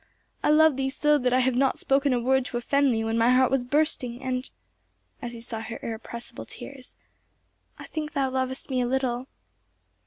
I love thee so that I have not spoken a word to offend thee when my heart was bursting; and"—as he saw her irrepressible tears—"I think thou lovest me a little."